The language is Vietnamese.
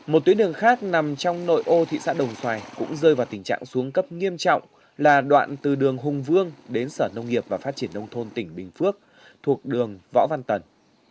một tuyến đường khác nằm trong nội ô thị xã đồng xoài cũng rơi vào tình trạng xuống cấp nghiêm trọng là đoạn từ đường hùng vương đến sở nông nghiệp và phát triển nông thôn tỉnh bình phước thuộc đường võ văn tần